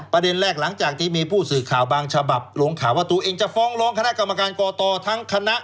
ประเด็นแรกหลังจากที่มีผู้สื่อข่าวบางฉบับลงข่าวว่าตัวเองจะฟ้องร้องคณะกรรมการกตทั้งคณะ